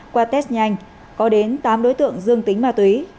qua test nhanh có đến tám đối tượng dương tính ma túy